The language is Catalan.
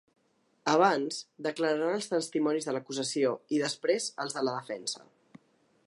Abans, declararan els testimonis de l’acusació i després els de la defensa.